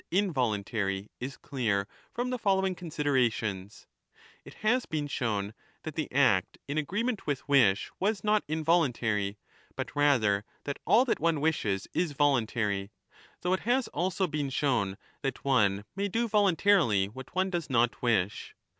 8 1223' involuntary is clear from the following considerations: it has been shown ^ that the act in agreement with wish was not involuntary, but rather that all that one wishes is 1224^ voluntary, though it has also been shown that one may do voluntarily what one does not wish.